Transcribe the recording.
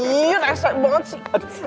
iya resep banget sih